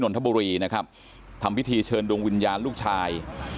ทบุรีนะครับทำพิธีเชิญดวงวิญญาณลูกชาย